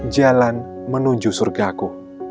jalan menuju surga ku